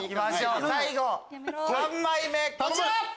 最後３枚目こちら！